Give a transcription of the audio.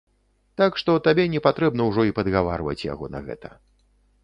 Так што табе не патрэбна ўжо і падгаварваць яго на гэта.